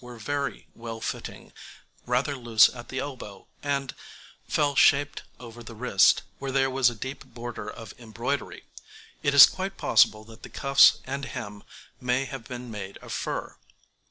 ] The sleeves were well fitting, rather loose at the elbow, and fell shaped over the wrist, where there was a deep border of embroidery. It is quite possible that the cuffs and hem may have been made of fur.